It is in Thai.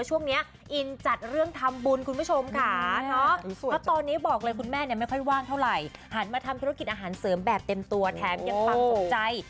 เสริมแบบเต็มตัวแถมยังปังสับใจ